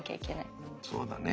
そうだね。